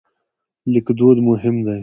لیکدود مهم دی.